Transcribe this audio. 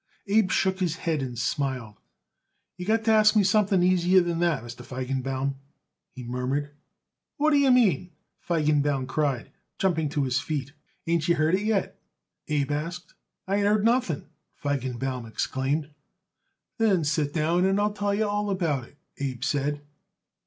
Abe shook his head and smiled. "You got to ask me something easier than that, Mr. Feigenbaum," he murmured. "What d'ye mean?" Feigenbaum cried, jumping to his feet. "Ain't you heard it yet?" Abe asked. "I ain't heard nothing," Feigenbaum exclaimed. "Then sit down and I'll tell you all about it," Abe said.